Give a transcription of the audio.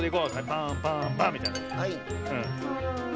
パンパンパンみたいな。